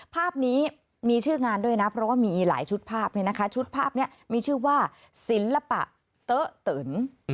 ภาพนี้มีชื่องานด้วยนะเพราะว่ามีหลายชุดภาพชุดภาพนี้มีชื่อว่าศิลปะเต๊ะตื่น